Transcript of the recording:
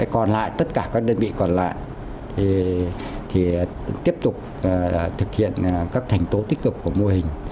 còn lại tất cả các đơn vị còn lại tiếp tục thực hiện các thành tố tích cực của mô hình